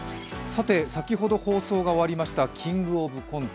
先ほど放送が終わりました「キングオブコント」。